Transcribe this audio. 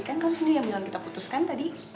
kan kamu sendiri yang bilang kita putuskan tadi